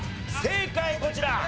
正解こちら。